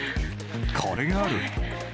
これがある。